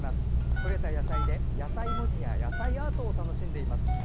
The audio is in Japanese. とれた野菜で野菜文字や野菜アートを楽しんでいます。